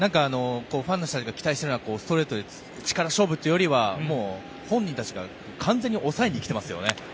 ファンの人たちが期待しているのはストレートで力勝負というよりは本人たちが完全に抑えにきていますよね。